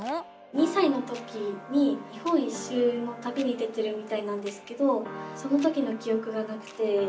２さいの時に日本一周のたびに出てるみたいなんですけどその時のきおくがなくて。